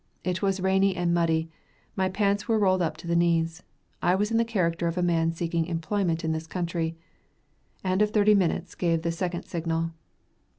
It was rainy and muddy my pants were rolled up to the knees. I was in the character of a man seeking employment in this country. End of thirty minutes gave the second signal.